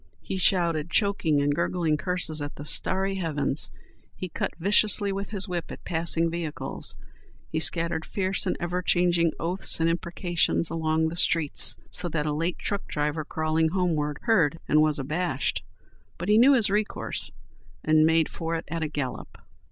He shouted choking and gurgling curses at the starry heavens; he cut viciously with his whip at passing vehicles; he scattered fierce and ever changing oaths and imprecations along the streets, so that a late truck driver, crawling homeward, heard and was abashed. But he knew his recourse, and made for it at a gallop.